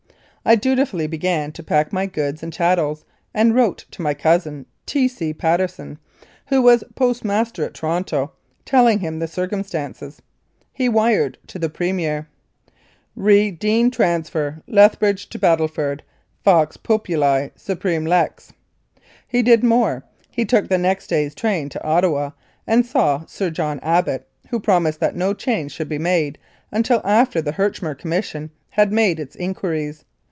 I dutifully began to pack my goods and chattels, and wrote to my cousin, T. C. Patteson, who was postmaster at Toronto, telling him the circumstances. He wired to the Premier: "Re Deane transfer Lethbridge to Battleford, Vox Populi Supreme Lex." He did more : he took the next day's train to Ottawa and saw Sir John Abbott, who promised that no change should be made until after the Herchmer Commission had made its inquiries.